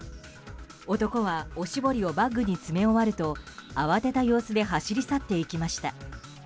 男は、おしぼりをバッグに詰め終わると慌てた様子で走り去っていきました。